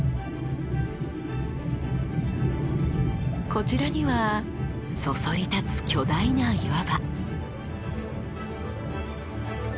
こちらにはそそり立つ巨大な岩場。